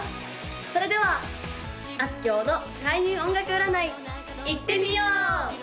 それではあすきょうの開運音楽占いいってみよう！